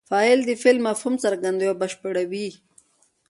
فاعل د فعل مفهوم څرګندوي او بشپړوي.